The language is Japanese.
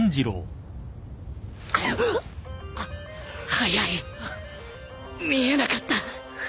速い！見えなかった